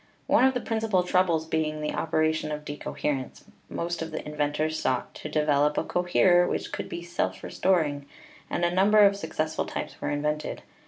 One of the principal troubles being the opera tion of decoherence, most of the inventors sought to de velop a coherer which should be self restoring, and a number of successful types were invented.